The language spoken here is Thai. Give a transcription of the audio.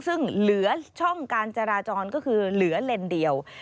ซึ่งเหลือช่องการจราจรก็คือเหลือเลนเดียว